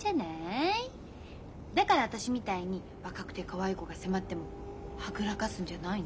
だから私みたいに若くてかわいい子が迫ってもはぐらかすんじゃないの？